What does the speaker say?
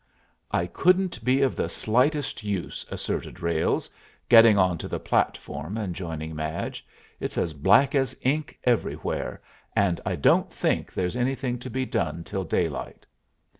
"I couldn't be of the slightest use," asserted Ralles, getting on to the platform and joining Madge. "It's as black as ink everywhere, and I don't think there's anything to be done till daylight."